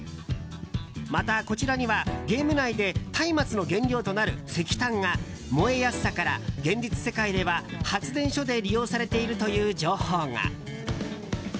また、こちらにはゲーム内でたいまつの原料となる石炭が燃えやすさから、現実世界では発電所で利用されているという情報が。